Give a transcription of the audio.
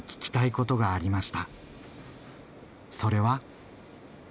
それは。